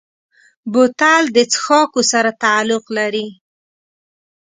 بوتل د څښاکو سره تعلق لري.